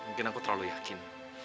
mungkin aku terlalu yakin